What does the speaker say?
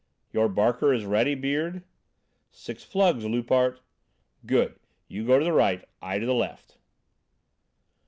"Your barker is ready, Beard?" "Six plugs, Loupart." "Good! You go to the right, I to the left."